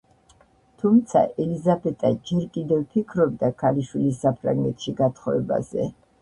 თუმცა ელიზაბეტა ჯერ კიდევ ფიქრობდა ქალიშვილის საფრანგეთში გათხოვებაზე.